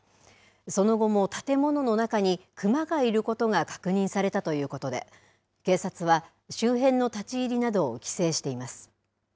その後も建物の中に熊がいることが確認されたということで、警察は周辺の立ち入りなどを規制しています。